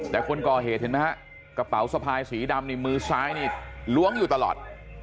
แต่คนก่อเหตุเห็นไหมฮะกระเป๋าสะพายสีดำนี่มือซ้ายนี่ล้วงอยู่ตลอด